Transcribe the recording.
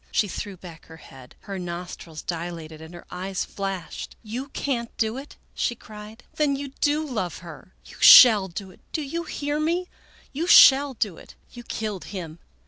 She threw back her head. Her nostrils dilated and her eyes flashed. " You can't do it !" she cried. " Then you do love her ! You shall do it ! Do you hear me ? You shall do it ! You killed him